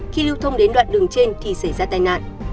khi lưu thông đến đoạn đường trên thì xảy ra tai nạn